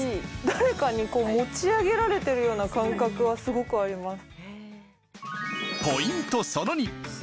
誰かに持ち上げられてるような感覚はすごくあります。